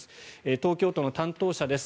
東京都の担当者です。